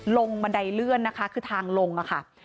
บันไดเลื่อนนะคะคือทางลงค่ะ